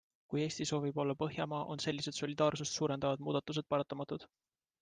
Kui Eesti soovib olla Põhjamaa, on sellised solidaarsust suurendavad muudatused paratamatud.